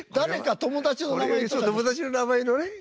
友達の名前のね